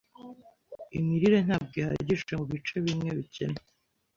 Imirire ntabwo ihagije mubice bimwe bikennye.